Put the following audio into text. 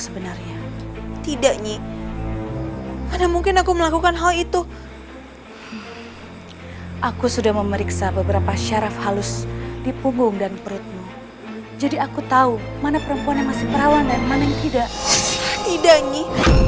aku belum pernah melakukan hubungan terlarang dengan seorang laki laki